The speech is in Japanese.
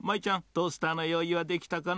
トースターのよういはできたかな？